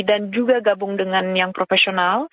dan juga gabung dengan yang profesional